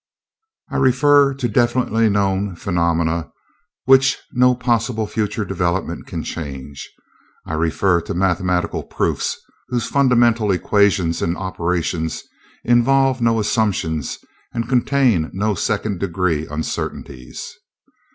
I refer to definitely known phenomena which no possible future development can change I refer to mathematical proofs whose fundamental equations and operations involve no assumptions and contain no second degree uncertainties.